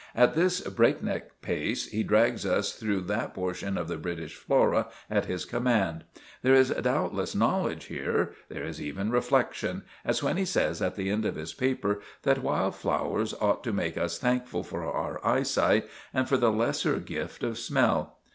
At this breakneck pace he drags us through that portion of the British flora at his command. There is doubtless knowledge here; there is even reflection, as when he says, at the end of his paper, that wild flowers ought to make us thankful for our eyesight and for the lesser gift of smell.